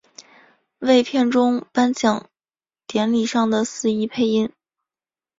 为片中颁奖典礼上的司仪配音。